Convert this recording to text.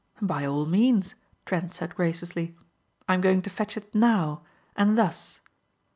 "By all means," Trent said graciously. "I am going to fetch it now and thus."